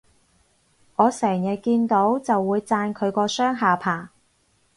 我成日見到就會讚佢個雙下巴